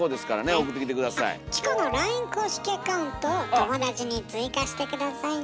あっチコのＬＩＮＥ公式アカウントを友だちに追加して下さいね。